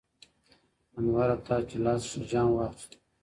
انوره تا چې لاس کښې جام واخيستو